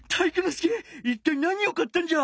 介いったい何を買ったんじゃ？